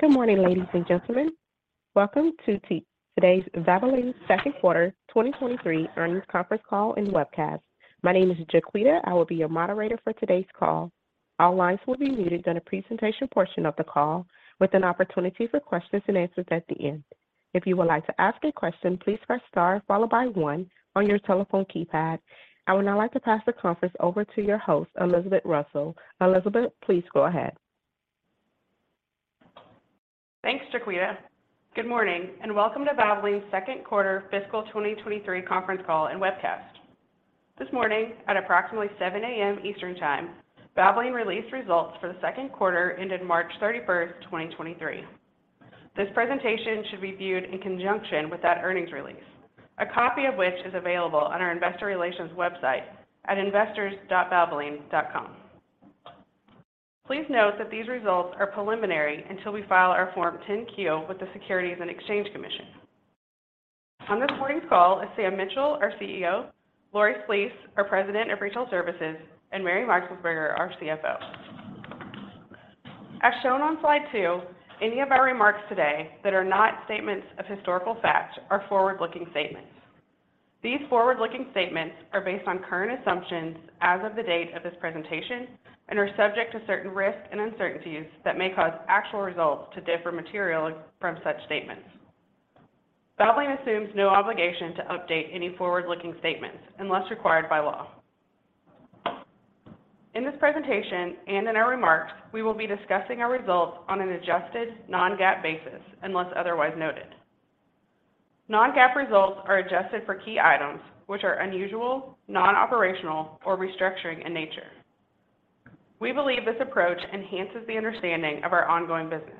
Good morning, ladies and gentlemen. Welcome to today's Valvoline Q2 2023 Earnings Conference Call and Webcast. My name is Jaqueta. I will be your moderator for today's call. All lines will be muted during the presentation portion of the call, with an opportunity for questions and answers at the end. If you would like to ask a question, please press star followed by one on your telephone keypad. I would now like to pass the conference over to your host, Elizabeth Russell. Elizabeth, please go ahead. Thanks, Jaqueta. Good morning, and welcome to Valvoline's Q2 Fiscal 2023 Conference Call and Webcast. This morning at approximately 7:00 A.M. Eastern Time, Valvoline released results for the Q2 ended March 31, 2023. This presentation should be viewed in conjunction with that earnings release, a copy of which is available on our investor relations website at investors dot valvoline dot com. Please note that these results are preliminary until we file our Form 10-Q with the Securities and Exchange Commission. On this morning's call is Sam Mitchell, our CEO, Lori Flees, our President of Retail Services, and Mary Meixelsperger, our CFO. As shown on slide two, any of our remarks today that are not statements of historical fact are forward-looking statements. These forward-looking statements are based on current assumptions as of the date of this presentation and are subject to certain risks and uncertainties that may cause actual results to differ materially from such statements. Valvoline assumes no obligation to update any forward-looking statements unless required by law. In this presentation and in our remarks, we will be discussing our results on an adjusted non-GAAP basis, unless otherwise noted. Non-GAAP results are adjusted for key items which are unusual, non-operational, or restructuring in nature. We believe this approach enhances the understanding of our ongoing business.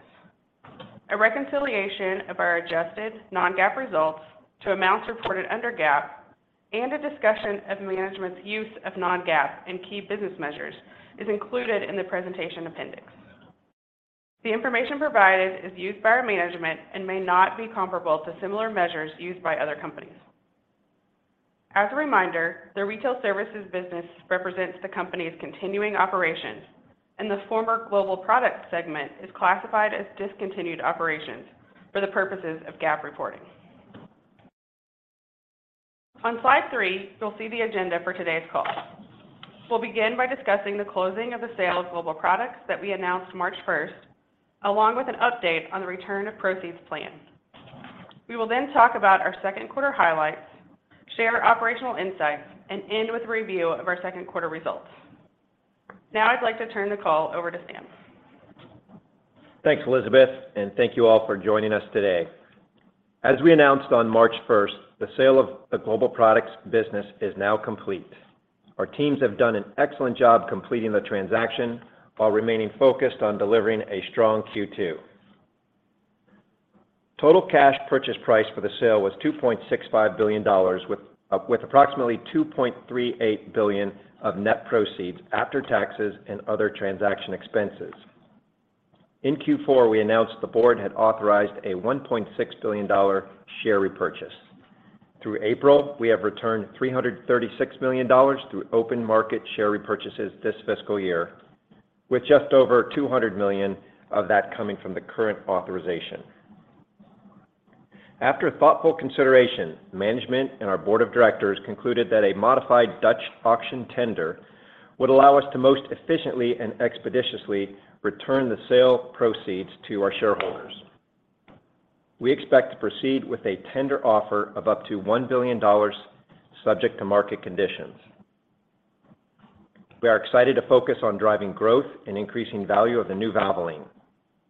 A reconciliation of our adjusted non-GAAP results to amounts reported under GAAP and a discussion of management's use of non-GAAP and key business measures is included in the presentation appendix. The information provided is used by our management and may not be comparable to similar measures used by other companies. As a reminder, the Retail Services business represents the company's continuing operations, and the former Global Products segment is classified as discontinued operations for the purposes of GAAP reporting. On slide three, you'll see the agenda for today's call. We'll begin by discussing the closing of the sale of Global Products that we announced March first, along with an update on the return of proceeds plan. We will then talk about our Q2 highlights, share operational insights, and end with a review of our Q2 results. I'd like to turn the call over to Sam. Thanks, Elizabeth. Thank you all for joining us today. As we announced on March first, the sale of the Global Products business is now complete. Our teams have done an excellent job completing the transaction while remaining focused on delivering a strong Q2. Total cash purchase price for the sale was $2.65 billion with approximately $2.38 billion of net proceeds after taxes and other transaction expenses. In Q4, we announced the board had authorized a $1.6 billion share repurchase. Through April, we have returned $336 million through open market share repurchases this fiscal year, with just over $200 million of that coming from the current authorization. After thoughtful consideration, management and our board of directors concluded that a modified Dutch auction tender would allow us to most efficiently and expeditiously return the sale proceeds to our shareholders. We expect to proceed with a tender offer of up to $1 billion subject to market conditions. We are excited to focus on driving growth and increasing value of the new Valvoline.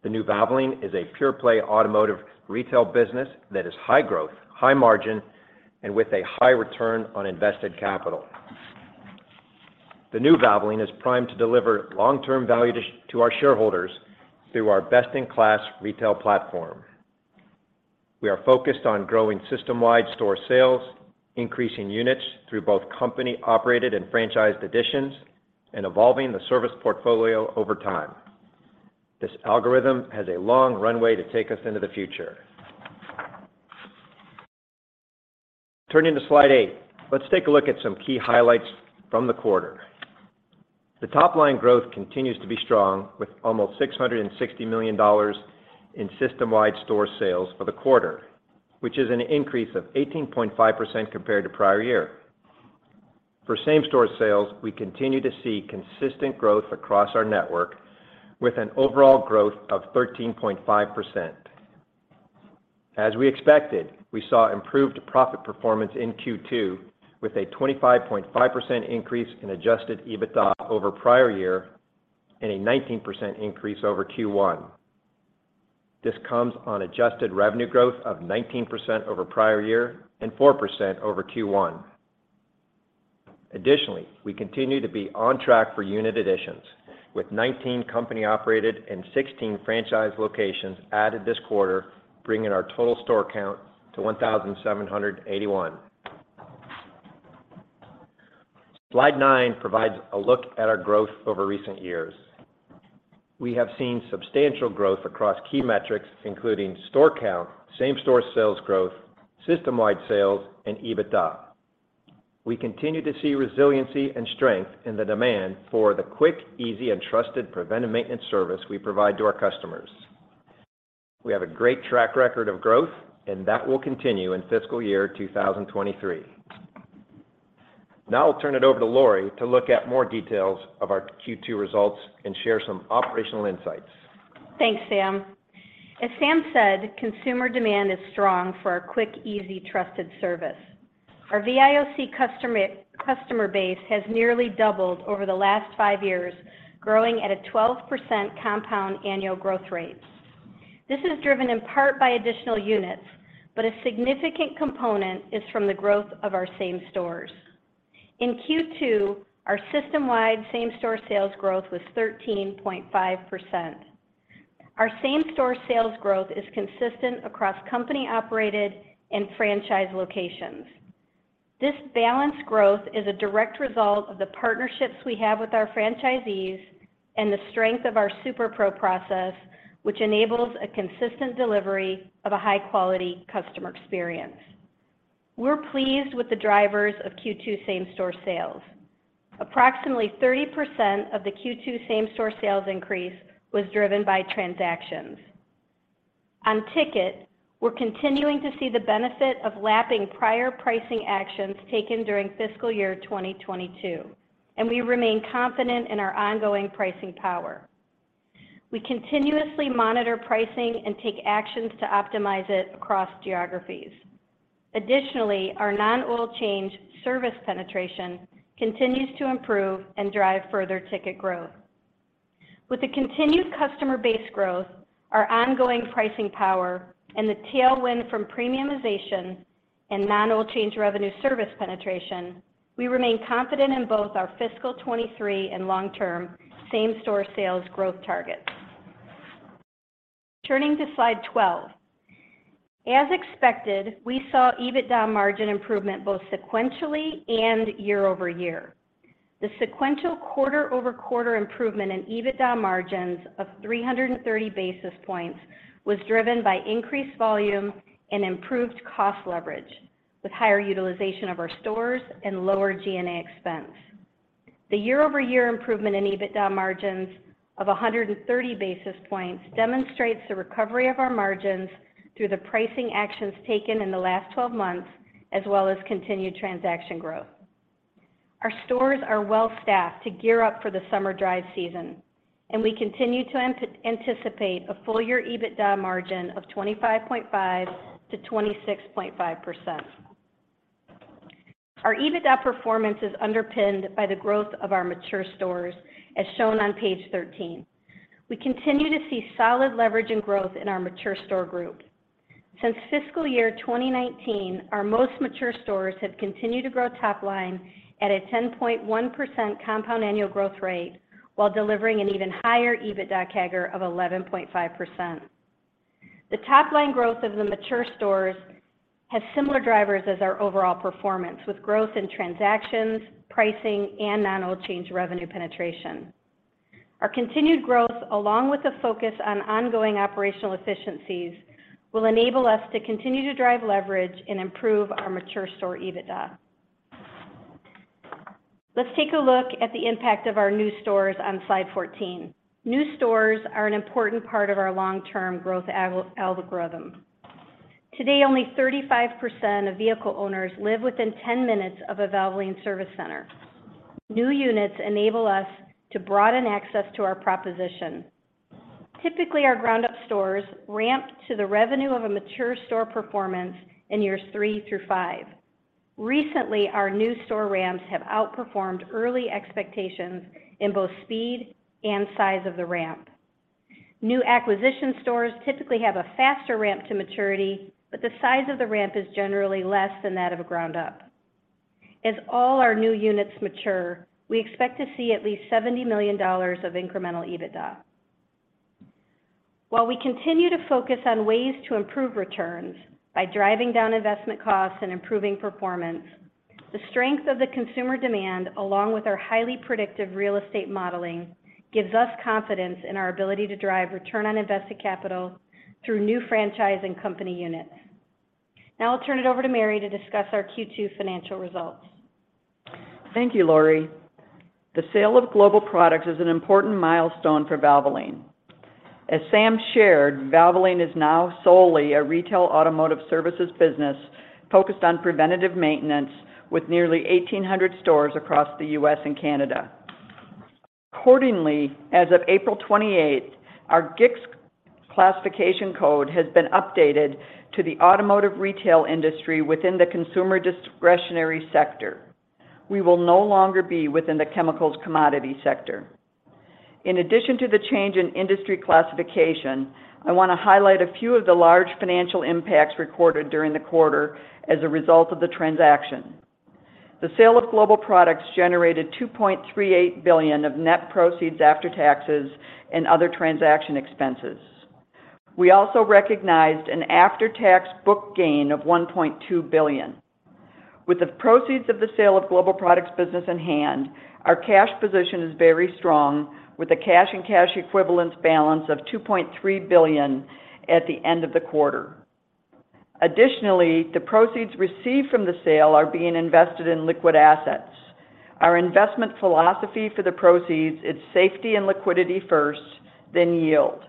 The new Valvoline is a pure play automotive retail business that is high growth, high margin, and with a high return on invested capital. The new Valvoline is primed to deliver long-term value to our shareholders through our best-in-class retail platform. We are focused on growing system-wide store sales, increasing units through both company-operated and franchised additions, and evolving the service portfolio over time. This algorithm has a long runway to take us into the future. Turning to slide eight, let's take a look at some key highlights from the quarter. The top line growth continues to be strong with almost $660 million in system-wide store sales for the quarter, which is an increase of 18.5% compared to prior year. For same-store sales, we continue to see consistent growth across our network with an overall growth of 13.5%. As we expected, we saw improved profit performance in Q2 with a 25.5% increase in adjusted EBITDA over prior year and a 19% increase over Q1. This comes on adjusted revenue growth of 19% over prior year and 4% over Q1. Additionally, we continue to be on track for unit additions with 19 company-operated and 16 franchise locations added this quarter, bringing our total store count to 1,781. Slide nine provides a look at our growth over recent years. We have seen substantial growth across key metrics, including store count, same store sales growth, system-wide sales, and EBITDA. We continue to see resiliency and strength in the demand for the quick, easy, and trusted preventive maintenance service we provide to our customers. We have a great track record of growth, and that will continue in fiscal year 2023. Now I'll turn it over to Lori to look at more details of our Q2 results and share some operational insights. Thanks, Sam. As Sam said, consumer demand is strong for our quick, easy, trusted service. Our VIOC customer base has nearly doubled over the last five years, growing at a 12% compound annual growth rate. This is driven in part by additional units, a significant component is from the growth of our same stores. In Q2, our system-wide same-store sales growth was 13.5%. Our same-store sales growth is consistent across company-operated and franchise locations. This balanced growth is a direct result of the partnerships we have with our franchisees and the strength of our SuperPro process, which enables a consistent delivery of a high-quality customer experience. We're pleased with the drivers of Q2 same-store sales. Approximately 30% of the Q2 same-store sales increase was driven by transactions. On ticket, we're continuing to see the benefit of lapping prior pricing actions taken during fiscal year 2022. We remain confident in our ongoing pricing power. We continuously monitor pricing and take actions to optimize it across geographies. Additionally, our non-oil change service penetration continues to improve and drive further ticket growth. With the continued customer base growth, our ongoing pricing power, and the tailwind from premiumization and non-oil change revenue service penetration, we remain confident in both our fiscal 2023 and long-term same-store sales growth targets. Turning to slide 12. As expected, we saw EBITDA margin improvement both sequentially and year-over-year. The sequential quarter-over-quarter improvement in EBITDA margins of 330 basis points was driven by increased volume and improved cost leverage, with higher utilization of our stores and lower G&A expense. The year-over-year improvement in EBITDA margins of 130 basis points demonstrates the recovery of our margins through the pricing actions taken in the last 12 months, as well as continued transaction growth. We continue to anticipate a full-year EBITDA margin of 25.5% to 26.5%. Our EBITDA performance is underpinned by the growth of our mature stores, as shown on page 13. We continue to see solid leverage and growth in our mature store group. Since fiscal year 2019, our most mature stores have continued to grow top line at a 10.1% compound annual growth rate while delivering an even higher EBITDA CAGR of 11.5%. The top-line growth of the mature stores has similar drivers as our overall performance, with growth in transactions, pricing, and non-oil change revenue penetration. Our continued growth, along with a focus on ongoing operational efficiencies, will enable us to continue to drive leverage and improve our mature store EBITDA. Let's take a look at the impact of our new stores on slide 14. New stores are an important part of our long-term growth algorithm. Today, only 35% of vehicle owners live within 10 minutes of a Valvoline service center. New units enable us to broaden access to our proposition. Typically, our ground-up stores ramp to the revenue of a mature store performance in years three through five. Recently, our new store ramps have outperformed early expectations in both speed and size of the ramp. New acquisition stores typically have a faster ramp to maturity, but the size of the ramp is generally less than that of a ground-up. As all our new units mature, we expect to see at least $70 million of incremental EBITDA. While we continue to focus on ways to improve returns by driving down investment costs and improving performance, the strength of the consumer demand, along with our highly predictive real estate modeling, gives us confidence in our ability to drive return on invested capital through new franchise and company units. Now I'll turn it over to Mary to discuss our Q2 financial results. Thank you, Lori. The sale of Global Products is an important milestone for Valvoline. As Sam shared, Valvoline is now solely a retail automotive services business focused on preventative maintenance with nearly 1,800 stores across the U.S. and Canada. Accordingly, as of April 28th, our GICS classification code has been updated to the automotive retail industry within the Consumer Discretionary sector. We will no longer be within the Commodity Chemicals sector. In addition to the change in industry classification, I wanna highlight a few of the large financial impacts recorded during the quarter as a result of the transaction. The sale of Global Products generated $2.38 billion of net proceeds after taxes and other transaction expenses. We also recognized an after-tax book gain of $1.2 billion. With the proceeds of the sale of Global Products business in hand, our cash position is very strong with a cash and cash equivalents balance of $2.3 billion at the end of the quarter. The proceeds received from the sale are being invested in liquid assets. Our investment philosophy for the proceeds is safety and liquidity first, then yield.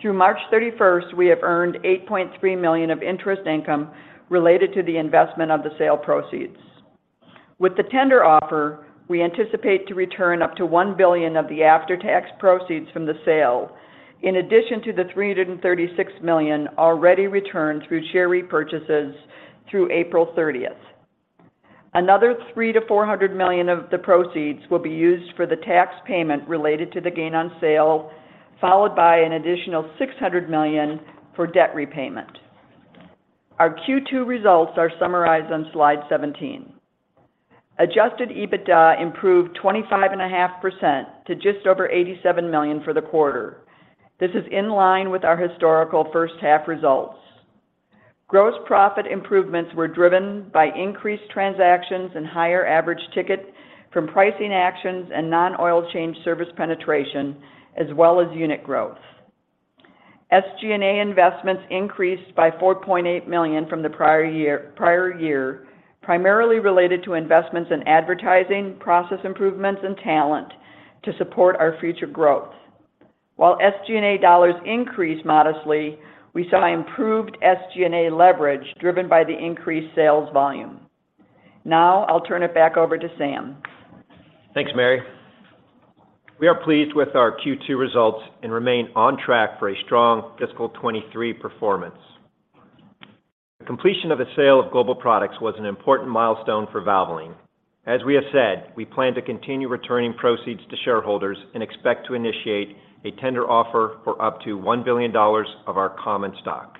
Through March 31st, we have earned $8.3 million of interest income related to the investment of the sale proceeds. With the tender offer, we anticipate to return up to $1 billion of the after-tax proceeds from the sale, in addition to the $336 million already returned through share repurchases through April 30th. Another $300 million-$400 million of the proceeds will be used for the tax payment related to the gain on sale, followed by an additional $600 million for debt repayment. Our Q2 results are summarized on slide 17. Adjusted EBITDA improved 25.5% to just over $87 million for the quarter. This is in line with our historical first half results. Gross profit improvements were driven by increased transactions and higher average ticket from pricing actions and non-oil change service penetration, as well as unit growth. SG&A investments increased by $4.8 million from the prior year, primarily related to investments in advertising, process improvements, and talent to support our future growth. While SG&A dollars increased modestly, we saw improved SG&A leverage driven by the increased sales volume. Now I'll turn it back over to Sam. Thanks, Mary. We are pleased with our Q2 results and remain on track for a strong fiscal 23 performance. The completion of the sale of Global Products was an important milestone for Valvoline. As we have said, we plan to continue returning proceeds to shareholders and expect to initiate a tender offer for up to $1 billion of our common stock.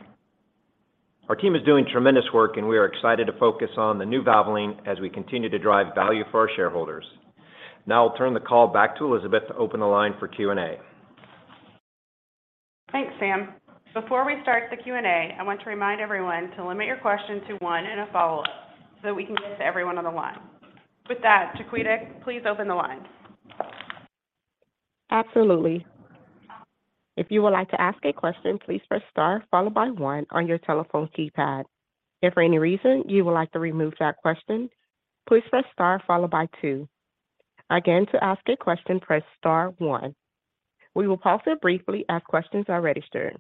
Our team is doing tremendous work. We are excited to focus on the new Valvoline as we continue to drive value for our shareholders. Now I'll turn the call back to Elizabeth to open the line for Q&A. Thanks, Sam. Before we start the Q&A, I want to remind everyone to limit your question to one and a follow-up so that we can get to everyone on the line. With that, Jaqueta, please open the line. Absolutely. If you would like to ask a question, please press star followed by one on your telephone keypad. If for any reason you would like to remove that question, please press star followed by 2. Again, to ask a question, press star one. We will pause here briefly as questions are registered.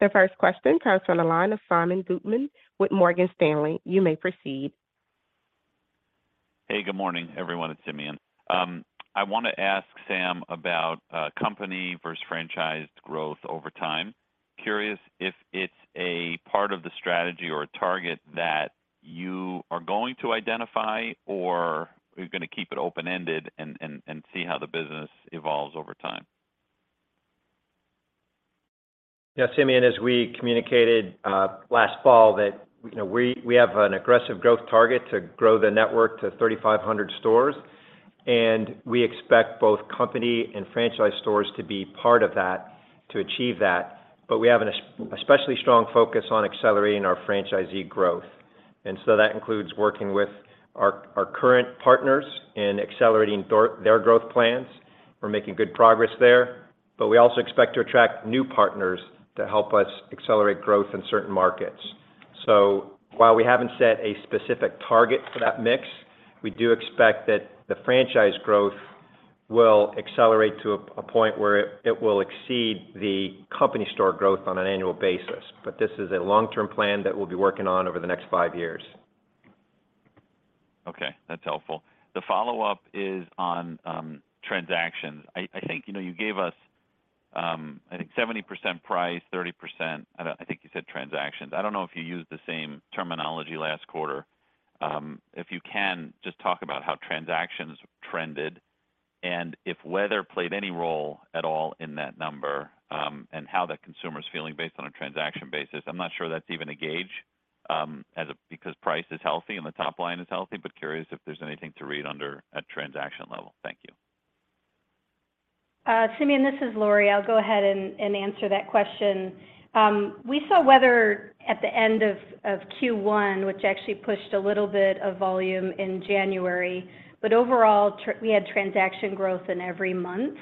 The first question comes from the line of Simeon Gutman with Morgan Stanley. You may proceed. Hey, good morning, everyone. It's Simeon. I wanna ask Sam about company versus franchised growth over time. Curious if it's a part of the strategy or a target that you are going to identify or you're gonna keep it open-ended and see how the business evolves over time? Yeah, Simeon, as we communicated last fall that, you know, we have an aggressive growth target to grow the network to 3,500 stores, and we expect both company and franchise stores to be part of that to achieve that. We have an especially strong focus on accelerating our franchisee growth. That includes working with our current partners in accelerating their growth plans. We're making good progress there. We also expect to attract new partners to help us accelerate growth in certain markets. While we haven't set a specific target for that mix, we do expect that the franchise growth will accelerate to a point where it will exceed the company store growth on an annual basis. This is a long-term plan that we'll be working on over the next five years. Okay, that's helpful. The follow-up is on transactions. I think, you know, you gave us, I think 70% price, 30%... I think you said transactions. I don't know if you used the same terminology last quarter. If you can, just talk about how transactions trended and if weather played any role at all in that number, and how the consumer's feeling based on a transaction basis. I'm not sure that's even a gauge because price is healthy and the top line is healthy, curious if there's anything to read under at transaction level. Thank you. Simeon, this is Lori. I'll go ahead and answer that question. We saw weather at the end of Q1, which actually pushed a little bit of volume in January. Overall, we had transaction growth in every month.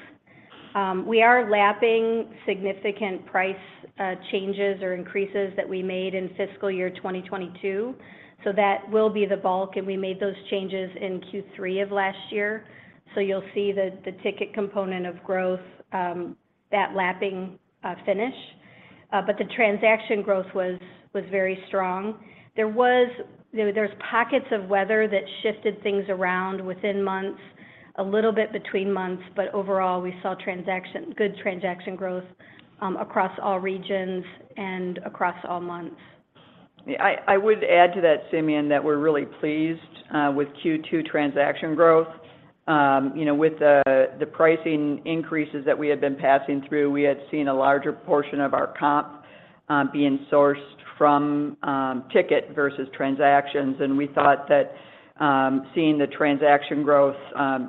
We are lapping significant price changes or increases that we made in fiscal year 2022, that will be the bulk, and we made those changes in Q3 of last year. You'll see the ticket component of growth that lapping finish. The transaction growth was very strong. There was pockets of weather that shifted things around within months, a little bit between months, overall, we saw good transaction growth across all regions and across all months. I would add to that, Simeon, that we're really pleased with Q2 transaction growth. You know, with the pricing increases that we had been passing through, we had seen a larger portion of our comp being sourced from ticket versus transactions. We thought that seeing the transaction growth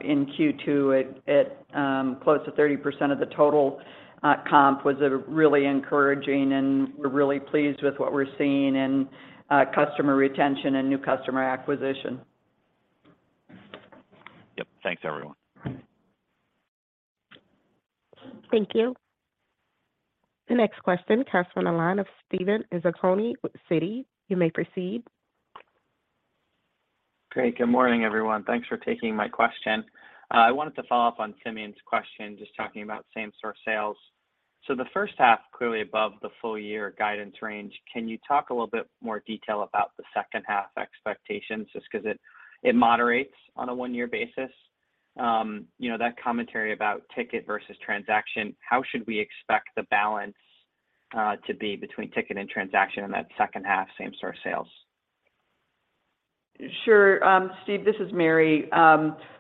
in Q2 at close to 30% of the total comp was really encouraging, and we're really pleased with what we're seeing in customer retention and new customer acquisition. Yep. Thanks everyone. Thank you. The next question comes from the line of Steven Zaccone with Citi. You may proceed. Great. Good morning, everyone. Thanks for taking my question. I wanted to follow up on Simeon's question, just talking about same store sales. The first half clearly above the full year guidance range. Can you talk a little bit more detail about the second half expectations, just 'cause it moderates on a one year basis? You know, that commentary about ticket versus transaction, how should we expect the balance to be between ticket and transaction in that second half same store sales? Sure. Steve, this is Mary.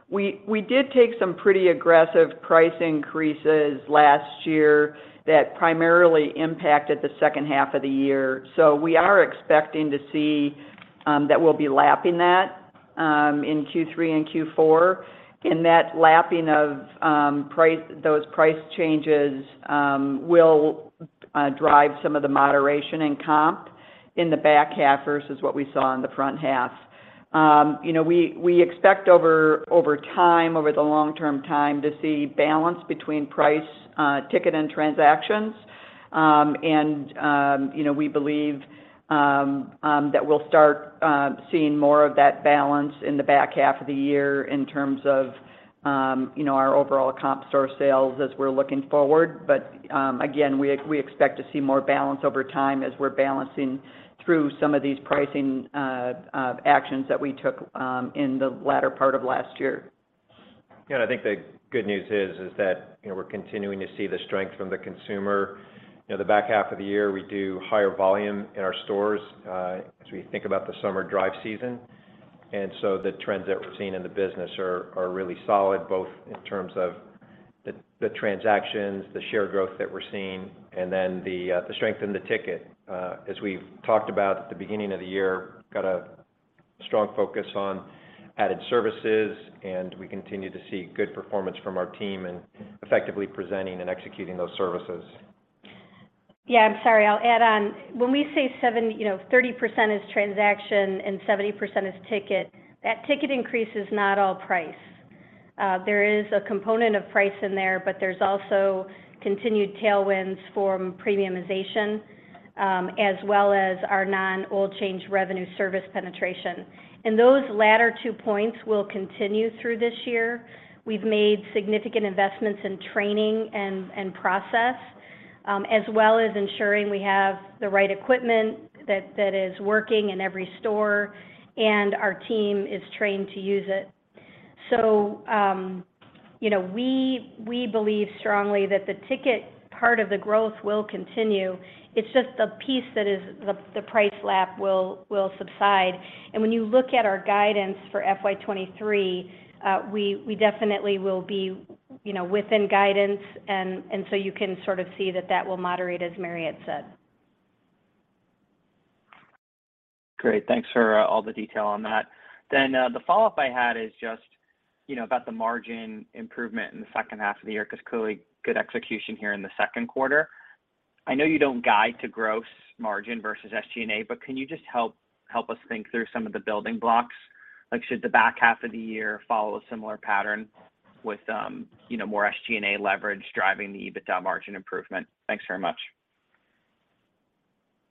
We did take some pretty aggressive price increases last year that primarily impacted the second half of the year. We are expecting to see that we'll be lapping that in Q3 and Q4. That lapping of those price changes will drive some of the moderation in comp in the back half versus what we saw in the front half. You know, we expect over time, over the long-term time to see balance between price, ticket and transactions. You know, we believe that we'll start seeing more of that balance in the back half of the year in terms of, you know, our overall comp store sales as we're looking forward. Again, we expect to see more balance over time as we're balancing through some of these pricing actions that we took in the latter part of last year. Yeah. I think the good news is that, you know, we're continuing to see the strength from the consumer. You know, the back half of the year, we do higher volume in our stores, as we think about the summer drive season. The trends that we're seeing in the business are really solid, both in terms of the transactions, the share growth that we're seeing, and then the strength in the ticket. As we've talked about at the beginning of the year, got a strong focus on added services, and we continue to see good performance from our team in effectively presenting and executing those services. Yeah. I'm sorry, I'll add on. When we say, you know, 30% is transaction and 70% is ticket, that ticket increase is not all price. There is a component of price in there, but there's also continued tailwinds from premiumization, as well as our non-oil change revenue service penetration. Those latter two points will continue through this year. We've made significant investments in training and process, as well as ensuring we have the right equipment that is working in every store and our team is trained to use it. You know, we believe strongly that the ticket part of the growth will continue. It's just the piece that is the price lap will subside. When you look at our guidance for FY 23, we definitely will be, you know, within guidance and so you can sort of see that that will moderate as Mary had said. Great. Thanks for all the detail on that. The follow-up I had is just, you know, about the margin improvement in the second half of the year, because clearly good execution here in the Q2. I know you don't guide to gross margin versus SG&A. Can you just help us think through some of the building blocks? Like, should the back half of the year follow a similar pattern with, you know, more SG&A leverage driving the EBITDA margin improvement? Thanks very much.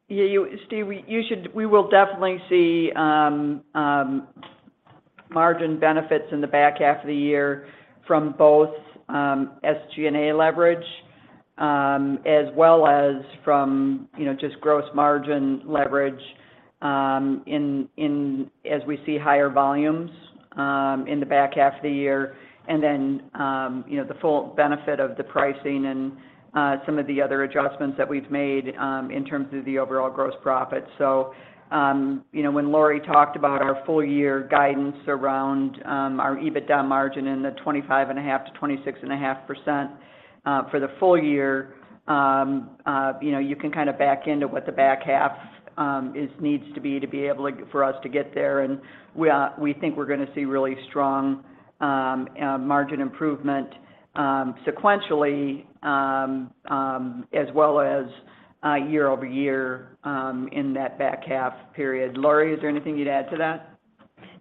Steve, you should.. We will definitely see margin benefits in the back half of the year from both SG&A leverage, as well as from, you know, just gross margin leverage, as we see higher volumes in the back half of the year. Then, you know, the full benefit of the pricing and some of the other adjustments that we've made in terms of the overall gross profit. You know, when Lori talked about our full year guidance around our EBITDA margin in the 25.5%-26.5% for the full year, you know, you can kinda back into what the back half needs to be to be able to for us to get there. We think we're gonna see really strong margin improvement sequentially, as well as year-over-year, in that back half period. Lori, is there anything you'd add to that?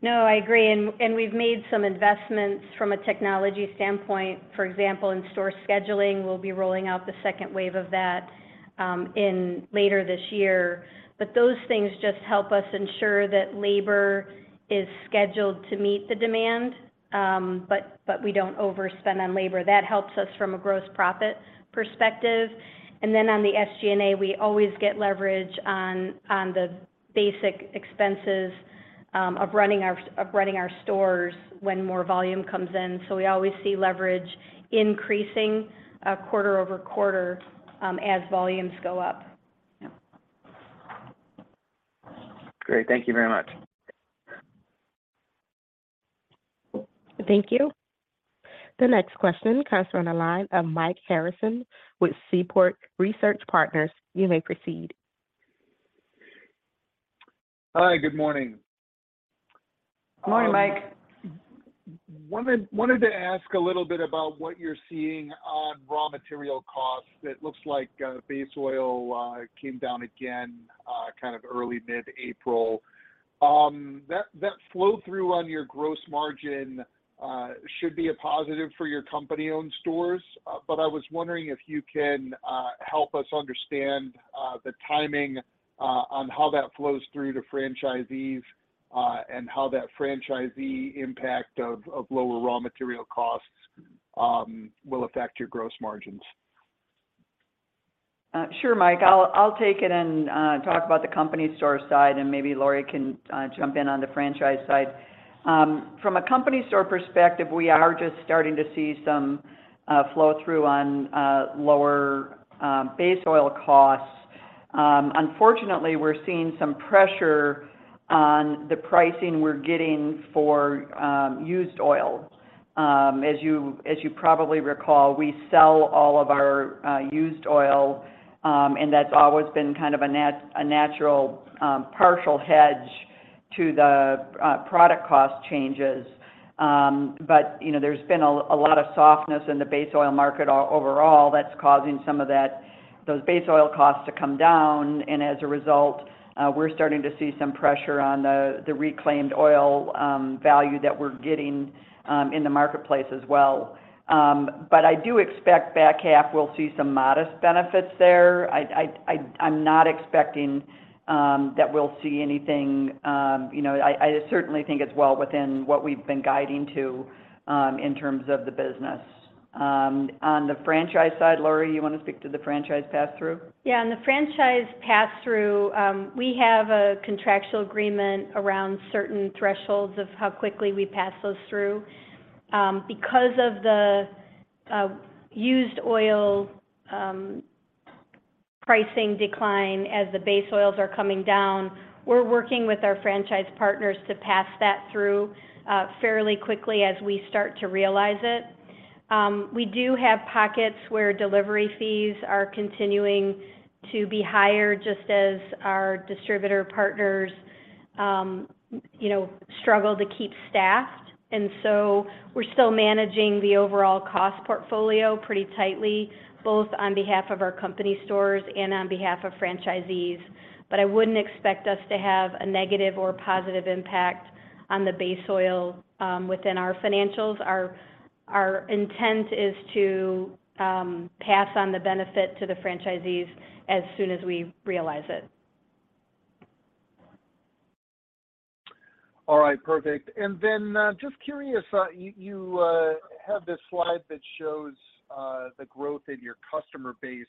No, I agree. We've made some investments from a technology standpoint. For example, in store scheduling, we'll be rolling out the second wave of that in later this year. Those things just help us ensure that labor is scheduled to meet the demand, but we don't overspend on labor. That helps us from a gross profit perspective. Then on the SG&A, we always get leverage on the basic expenses of running our stores when more volume comes in. We always see leverage increasing quarter-over-quarter as volumes go up. Yeah. Great. Thank you very much. Thank you. The next question comes from the line of Mike Harrison with Seaport Research Partners. You may proceed. Hi. Good morning. Good morning, Mike. wanted to ask a little bit about what you're seeing on raw material costs. It looks like base oil came down again, kind of early mid-April. That flow through on your gross margin should be a positive for your company-owned stores. I was wondering if you can help us understand the timing on how that flows through to franchisees, and how that franchisee impact of lower raw material costs will affect your gross margins. Sure, Mike. I'll take it and talk about the company store side, and maybe Lori can jump in on the franchise side. From a company store perspective, we are just starting to see some flow-through on lower base oil costs. Unfortunately, we're seeing some pressure on the pricing we're getting for used oil. As you probably recall, we sell all of our used oil, and that's always been kind of a natural partial hedge to the product cost changes. You know, there's been a lot of softness in the base oil market overall that's causing some of those base oil costs to come down. As a result, we're starting to see some pressure on the reclaimed oil value that we're getting in the marketplace as well. I do expect back half we'll see some modest benefits there. I'm not expecting that we'll see anything, you know, I certainly think it's well within what we've been guiding to in terms of the business. On the franchise side, Lori, you wanna speak to the franchise pass-through? Yeah, on the franchise pass-through, we have a contractual agreement around certain thresholds of how quickly we pass those through. Because of the used oil pricing decline as the base oils are coming down, we're working with our franchise partners to pass that through fairly quickly as we start to realize it. We do have pockets where delivery fees are continuing to be higher just as our distributor partners, you know, struggle to keep staffed. We're still managing the overall cost portfolio pretty tightly, both on behalf of our company stores and on behalf of franchisees. I wouldn't expect us to have a negative or positive impact on the base oil within our financials. Our intent is to pass on the benefit to the franchisees as soon as we realize it. All right, perfect. Just curious, you have this slide that shows the growth in your customer base.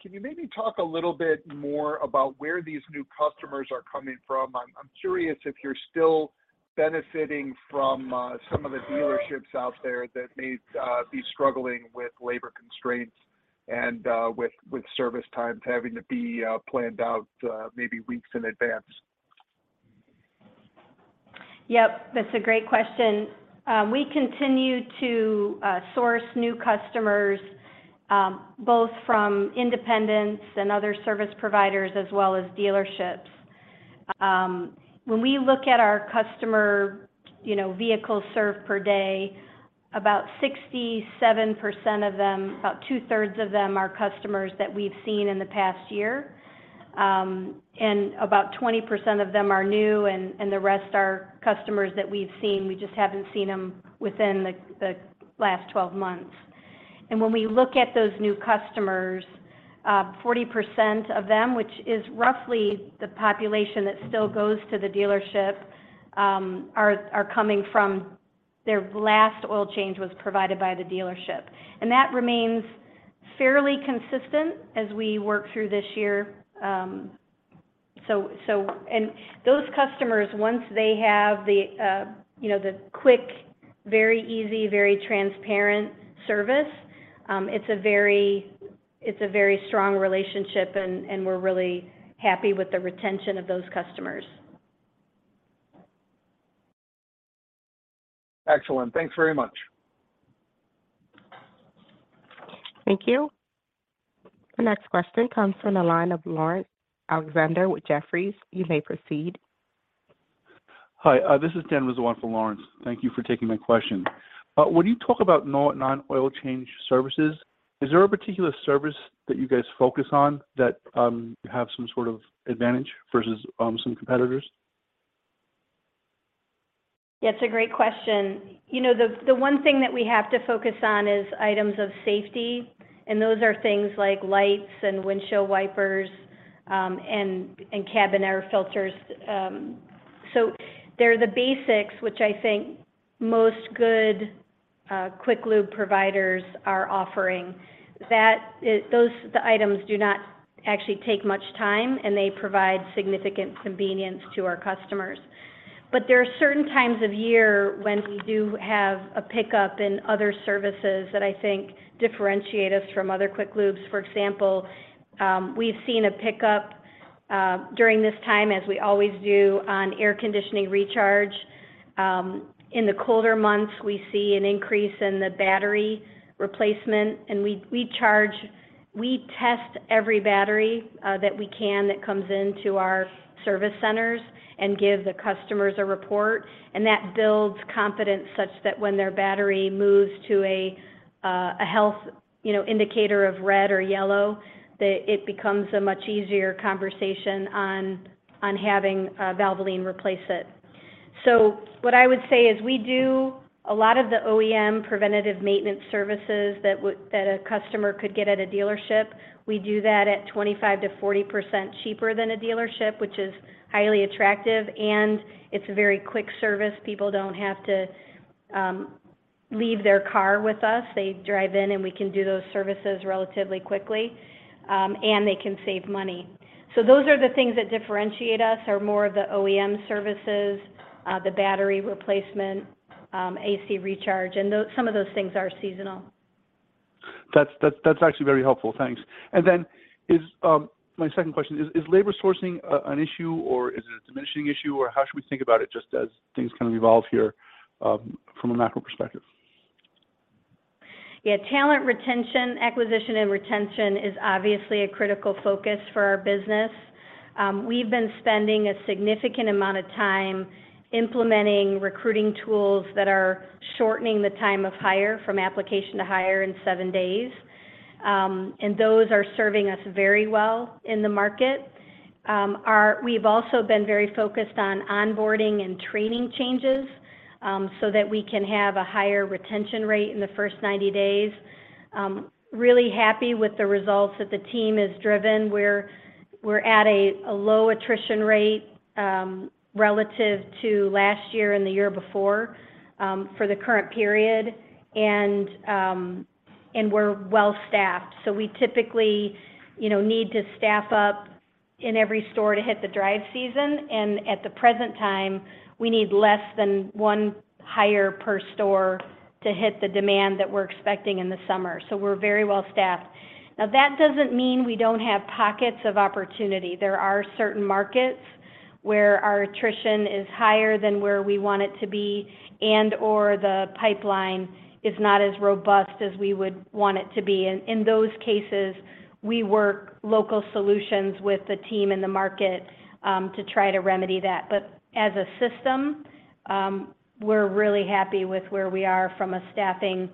Can you maybe talk a little bit more about where these new customers are coming from? I'm curious if you're still benefiting from some of the dealerships out there that may be struggling with labor constraints and with service times having to be planned out maybe weeks in advance. Yep, that's a great question. We continue to source new customers, both from independents and other service providers as well as dealerships. When we look at our customer, you know, vehicles served per day, about 67% of them, about two-thirds of them are customers that we've seen in the past year. About 20% of them are new and the rest are customers that we've seen. We just haven't seen them within the last 12 months. When we look at those new customers, 40% of them, which is roughly the population that still goes to the dealership, are coming from their last oil change was provided by the dealership. That remains fairly consistent as we work through this year. Those customers, once they have the, you know, the quick, very easy, very transparent service, it's a very strong relationship, and we're really happy with the retention of those customers. Excellent. Thanks very much. Thank you. The next question comes from the line of Lawrence Alexander with Jefferies. You may proceed. Hi, this is Dan Rizzo for Lawrence. Thank you for taking my question. When you talk about no non-oil change services, is there a particular service that you guys focus on that have some sort of advantage versus some competitors? That's a great question. You know, the one thing that we have to focus on is items of safety, and those are things like lights and windshield wipers, and cabin air filters. They're the basics which I think most good quick lube providers are offering. Those items do not actually take much time, and they provide significant convenience to our customers. There are certain times of year when we do have a pickup in other services that I think differentiate us from other quick lubes. For example, we've seen a pickup during this time as we always do on air conditioning recharge. In the colder months, we see an increase in the battery replacement, and we charge... We test every battery, that we can that comes into our service centers and give the customers a report. That builds confidence such that when their battery moves to a health, you know, indicator of red or yellow, that it becomes a much easier conversation on having Valvoline replace it. What I would say is we do a lot of the OEM preventative maintenance services that a customer could get at a dealership. We do that at 25%-40% cheaper than a dealership, which is highly attractive, and it's a very quick service. People don't have to leave their car with us. They drive in, and we can do those services relatively quickly, and they can save money. Those are the things that differentiate us, are more of the OEM services, the battery replacement, AC recharge, and some of those things are seasonal. That's actually very helpful. Thanks. Then my second question is labor sourcing an issue, or is it a diminishing issue, or how should we think about it just as things kind of evolve here from a macro perspective? Talent retention, acquisition and retention is obviously a critical focus for our business. We've been spending a significant amount of time implementing recruiting tools that are shortening the time of hire from application to hire in seven days, and those are serving us very well in the market. We've also been very focused on onboarding and training changes, so that we can have a higher retention rate in the first 90 days. Really happy with the results that the team has driven. We're at a low attrition rate relative to last year and the year before for the current period, and we're well-staffed. We typically, you know, need to staff up in every store to hit the drive season, and at the present time, we need less than one hire per store to hit the demand that we're expecting in the summer. We're very well-staffed. That doesn't mean we don't have pockets of opportunity. There are certain markets where our attrition is higher than where we want it to be and/or the pipeline is not as robust as we would want it to be. In those cases, we work local solutions with the team in the market to try to remedy that. As a system, we're really happy with where we are from a staffing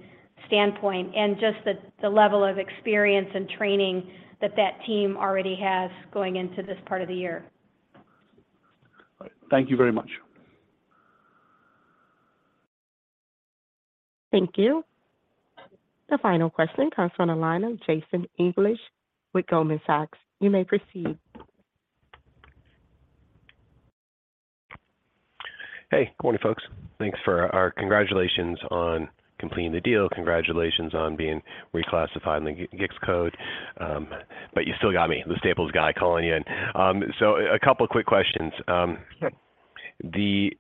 standpoint and just the level of experience and training that that team already has going into this part of the year. Thank you very much. Thank you. The final question comes from the line of Jason English with Goldman Sachs. You may proceed. Hey, good morning, folks. Thanks for our congratulations on completing the deal. Congratulations on being reclassified in the GICS code. You still got me, the Staples guy, calling you in. A couple quick questions. The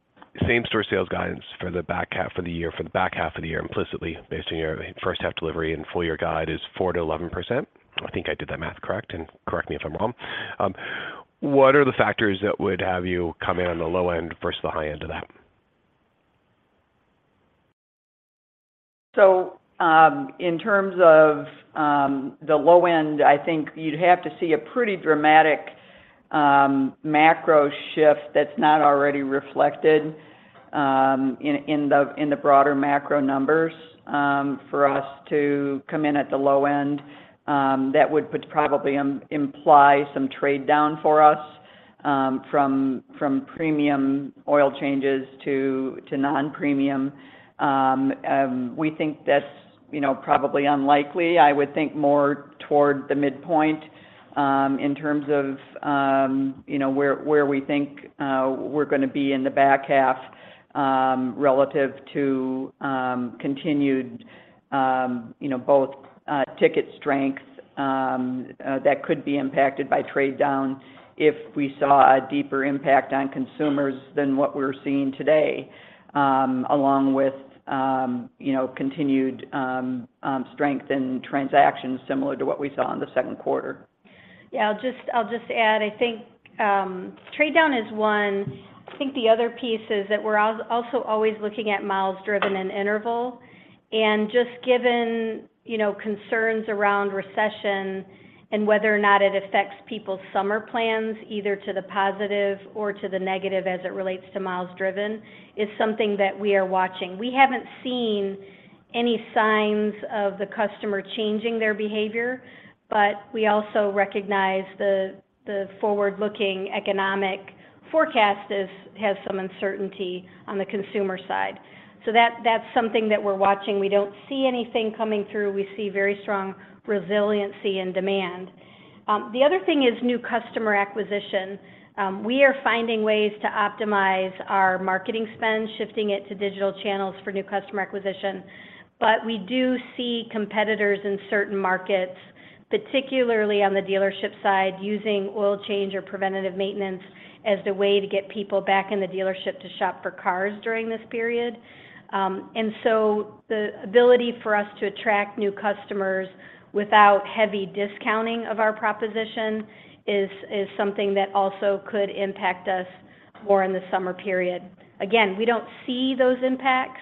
same-store sales guidance for the back half of the year implicitly based on your first half delivery and full year guide is 4%-11%. I think I did that math correct, and correct me if I'm wrong. What are the factors that would have you come in on the low end versus the high end of that? In terms of the low end, I think you'd have to see a pretty dramatic macro shift that's not already reflected in the broader macro numbers for us to come in at the low end. That would probably imply some trade down for us from premium oil changes to non-premium. We think that's, you know, probably unlikely. I would think more toward the midpoint, in terms of, you know, where we think, we're gonna be in the back half, relative to, continued, you know, both ticket strength that could be impacted by trade down if we saw a deeper impact on consumers than what we're seeing today, along with, you know, continued strength in transactions similar to what we saw in the Q2. Yeah. I'll just, I'll just add, I think trade down is one. I think the other piece is that we're also always looking at miles driven and interval. Just given, you know, concerns around recession and whether or not it affects people's summer plans, either to the positive or to the negative as it relates to miles driven, is something that we are watching. We haven't seen any signs of the customer changing their behavior, but we also recognize the forward-looking economic forecast has some uncertainty on the consumer side. That's something that we're watching. We don't see anything coming through. We see very strong resiliency and demand. The other thing is new customer acquisition. We are finding ways to optimize our marketing spend, shifting it to digital channels for new customer acquisition. We do see competitors in certain markets, particularly on the dealership side, using oil change or preventative maintenance as the way to get people back in the dealership to shop for cars during this period. The ability for us to attract new customers without heavy discounting of our proposition is something that also could impact us more in the summer period. Again, we don't see those impacts,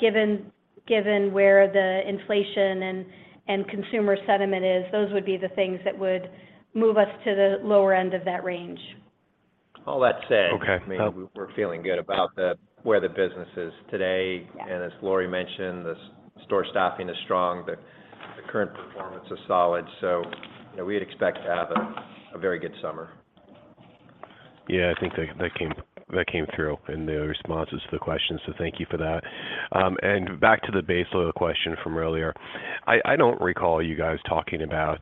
given where the inflation and consumer sentiment is, those would be the things that would move us to the lower end of that range. Okay. All that said, I mean, we're feeling good about the, where the business is today. As Laurie mentioned, the store staffing is strong. The current performance is solid, so, you know, we'd expect to have a very good summer. I think that came through in the responses to the questions, so thank you for that. Back to the base load question from earlier. I don't recall you guys talking about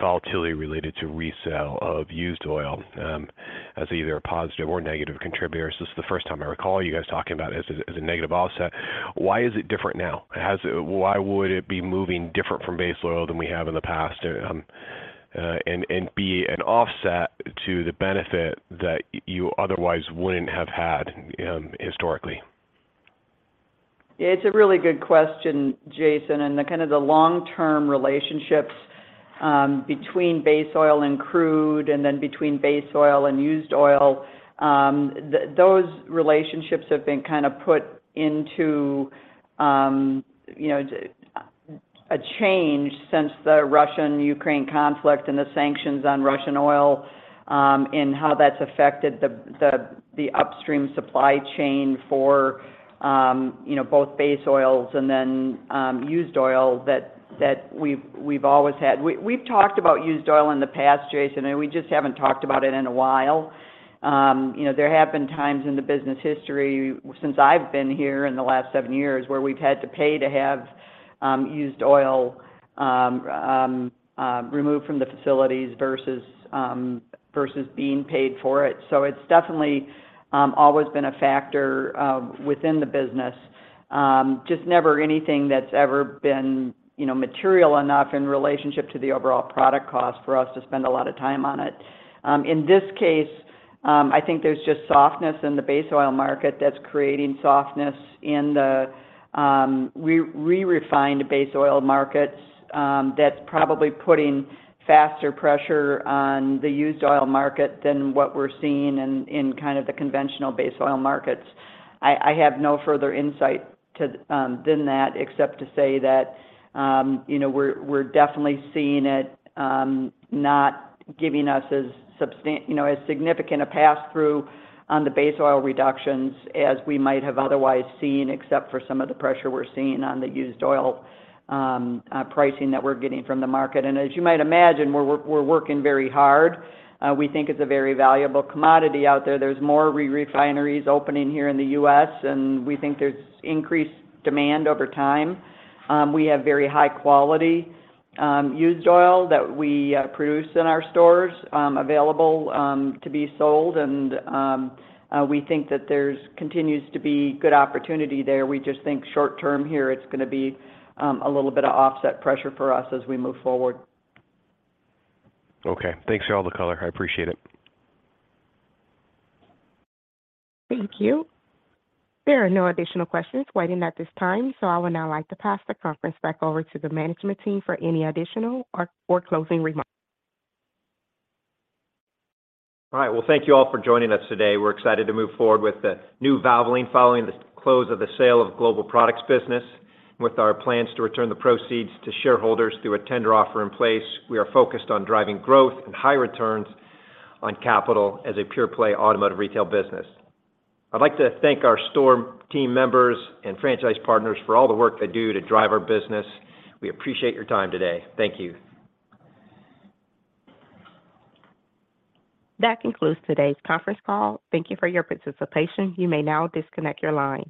volatility related to resale of used oil as either a positive or negative contributor. This is the first time I recall you guys talking about it as a negative offset. Why is it different now? Why would it be moving different from base load than we have in the past? Be an offset to the benefit that you otherwise wouldn't have had historically. It's a really good question, Jason. The kind of the long-term relationships between base oil and crude and then between base oil and used oil, those relationships have been kind of put into, you know, a change since the Russian-Ukraine conflict and the sanctions on Russian oil, and how that's affected the upstream supply chain for, you know, both base oils and then used oil that we've always had. We've talked about used oil in the past, Jason, and we just haven't talked about it in a while. You know, there have been times in the business history since I've been here in the last seven years where we've had to pay to have used oil removed from the facilities versus being paid for it. It's definitely always been a factor within the business. Just never anything that's ever been, you know, material enough in relationship to the overall product cost for us to spend a lot of time on it. In this case, I think there's just softness in the base oil market that's creating softness in the re-re-refined base oil markets, that's probably putting faster pressure on the used oil market than what we're seeing in kind of the conventional base oil markets. I have no further insight than that, except to say that, you know, we're definitely seeing it, not giving us as you know, as significant a pass-through on the base oil reductions as we might have otherwise seen, except for some of the pressure we're seeing on the used oil, pricing that we're getting from the market. As you might imagine, we're working very hard. We think it's a very valuable commodity out there. There's more re-refineries opening here in the U.S., and we think there's increased demand over time. We have very high quality, used oil that we produce in our stores, available to be sold. We think that there's continues to be good opportunity there. We just think short term here, it's gonna be a little bit of offset pressure for us as we move forward. Okay. Thanks for all the color. I appreciate it. Thank you. There are no additional questions waiting at this time. I would now like to pass the conference back over to the management team for any additional or for closing remarks. All right. Well, thank you all for joining us today. We're excited to move forward with the new Valvoline following the close of the sale of Global Products business. With our plans to return the proceeds to shareholders through a tender offer in place, we are focused on driving growth and high returns on capital as a pure-play automotive retail business. I'd like to thank our store team members and franchise partners for all the work they do to drive our business. We appreciate your time today. Thank you. That concludes today's conference call. Thank you for your participation. You may now disconnect your line.